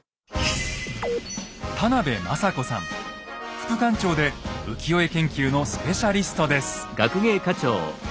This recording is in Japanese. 副館長で浮世絵研究のスペシャリストです。